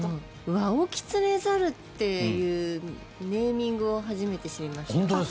ワオキツネザルというネーミングを初めて知りました。